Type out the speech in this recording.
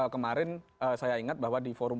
kemarin saya ingat bahwa di forum